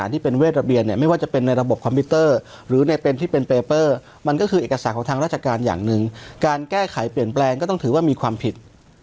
ที่เป็นเปเปอร์มันก็คือเอกสารของทางราชการอย่างนึงการแก้ไขเปลี่ยนแปลงก็ต้องถือว่ามีความผิด